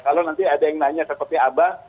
kalau nanti ada yang nanya seperti apa